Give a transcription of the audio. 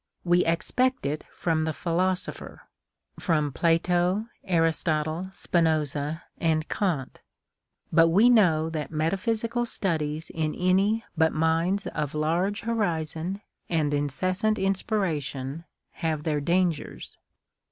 We expect it from the philosopher, — from Plato, Aristotle, Spinoza, and Kant ; but we know that metaphysical studies in any but minds of large horizon and incessant inspiration have their dangers.